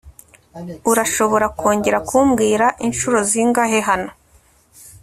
urashobora kongera kumbwira inshuro zingahe hano